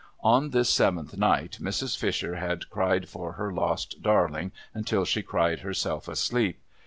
On this seventh night, Mrs. Fisher had cried for her lost darling until she cried herself asleep.